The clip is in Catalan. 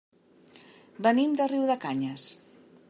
Venim de Riudecanyes.